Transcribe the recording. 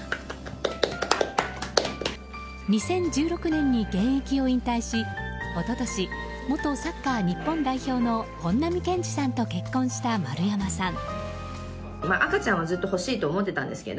２０１６年に現役を引退し一昨年、元サッカー日本代表の本並健治さんと結婚した丸山さん。